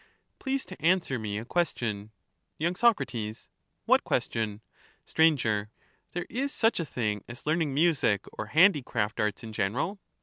Please to answer me a question. y. Soc. What question ? Str. There is such a thing as learning music or handicraft arts in general